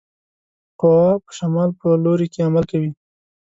قوه په شمال په لوري کې عمل کوي.